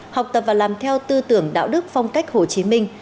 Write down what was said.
học tập và làm theo tư tưởng đạo đức phong cách hồ chí minh